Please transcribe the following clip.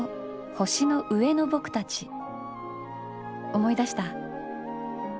思い出した？